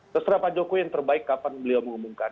terserah pak jokowi yang terbaik kapan beliau mengumumkan